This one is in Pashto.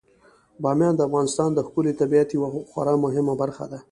بامیان د افغانستان د ښکلي طبیعت یوه خورا مهمه برخه ده.